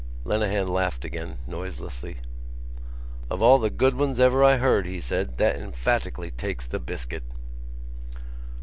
Lenehan laughed again, noiselessly. "Of all the good ones ever I heard," he said, "that emphatically takes the biscuit."